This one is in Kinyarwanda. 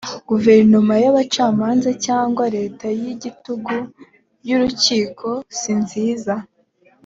guverinoma y abacamanza cyangwa leta y igitugu y urukiko sinziza